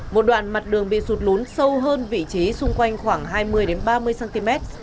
một đoạn mặt đường bị sụt lún sâu hơn vị trí xung quanh khoảng hai mươi ba mươi cm